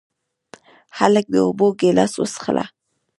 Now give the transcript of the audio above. هلک د اوبو ګیلاس وڅښله.